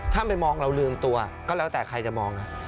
ถ้าไปมองเราลืมตัวก็แล้วแต่ใครจะมองนะ